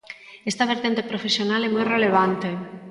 Esta vertente profesional é moi relevante.